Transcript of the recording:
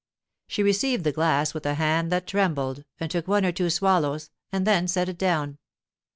She received the glass with a hand that trembled, and took one or two swallows and then set it down.